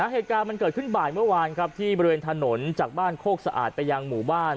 เหตุการณ์มันเกิดขึ้นบ่ายเมื่อวานครับที่บริเวณถนนจากบ้านโคกสะอาดไปยังหมู่บ้าน